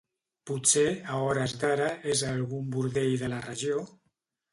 Potser, a hores d'ara, és a algun bordell de la regió...